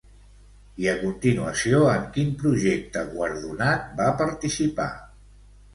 I, a continuació, en quin projecte guardonat va participar?